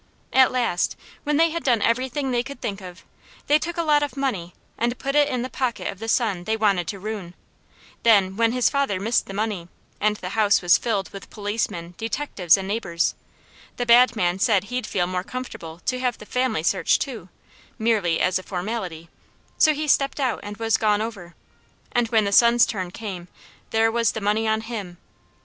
At last when they had done everything they could think of, they took a lot of money and put it in the pocket of the son they wanted to ruin; then when his father missed the money, and the house was filled with policemen, detectives, and neighbours, the bad man said he'd feel more comfortable to have the family searched too, merely as a formality, so he stepped out and was gone over, and when the son's turn came, there was the money on him!